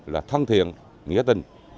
là thân thiện nghĩa tinh